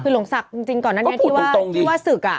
หลงศักดิ์จริงก่อนนั้นพี่ว่าศึก